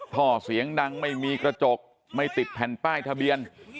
ท่อเสียงดังไม่มีกระจกไม่ติดแผ่นป้ายทะเบียน